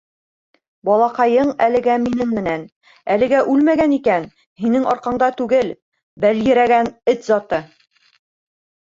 Балаҡайың әлегә минең менән; әлегә үлмәгән икән, һинең арҡаңда түгел, бәлйерәгән эт заты!